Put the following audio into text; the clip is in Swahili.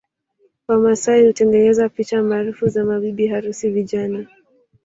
Wamasai hutengeneza picha maarufu za mabibi harusi vijana